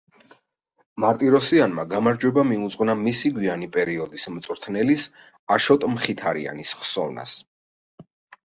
მარტიროსიანმა გამარჯვება მიუძღვნა მისი გვიანი პერიოდის მწვრთნელის, აშოტ მხითარიანის ხსოვნას.